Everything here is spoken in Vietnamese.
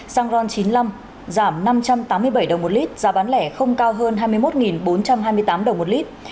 xăng ron chín mươi năm giảm năm trăm tám mươi bảy đồng một lít giá bán lẻ không cao hơn hai mươi một bốn trăm hai mươi tám đồng một lít